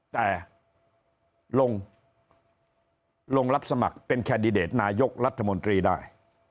แต่ลงรับสมัครเป็นแคนดิเดตนายกรัฐมนตรีได้